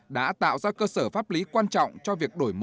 đã tạo ra cơ sở pháp lý quan trọng cho việc đổi mới